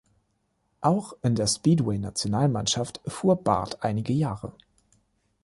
Auch in der Speedway-Nationalmannschaft fuhr Barth einige Jahre.